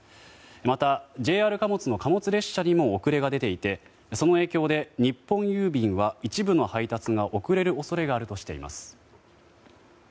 また、ＪＲ貨物の貨物列車にも遅れが出ていてその影響で日本郵便は一部の配達が遅れる恐れがあるとしています。